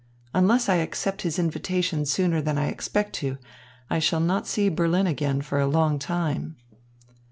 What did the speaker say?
Unless I accept his invitation sooner than I expect to, I shall not see Berlin again for a long time."